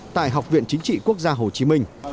tại học viện chính trị quốc gia hồ chí minh